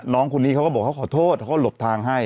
น้องคนนี้เขาก็บอกเขาขอโทษเขาก็หลบทางให้